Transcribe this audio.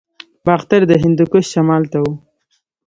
باختر د هندوکش شمال ته و